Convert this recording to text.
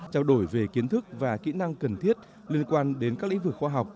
trao đổi về kiến thức và kỹ năng cần thiết liên quan đến các lĩnh vực khoa học